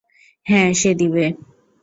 হ্যাঁ, সে দিবে।